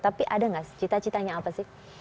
tapi ada nggak sih cita citanya apa sih